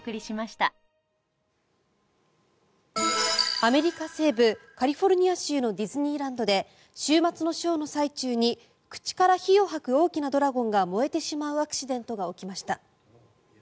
アメリカ西部カリフォルニア州のディズニーランドで週末のショーの最中に口から火を吐く大きなドラゴンが燃えてしまうアクシデントが起きました。